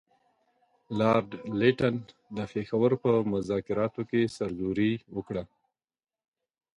لارډ لیټن د پېښور په مذاکراتو کې سرزوري وکړه.